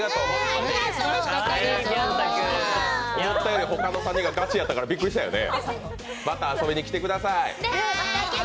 思ったよりほかの３人がガチだったからびっくりしたよね。